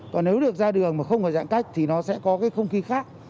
còn nếu được ra đường mà không phải giãn cách thì nó sẽ có cái không khí khác